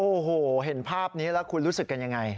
โอ้โหเห็นภาพนี้แล้วคุณรู้สึกกันยังไง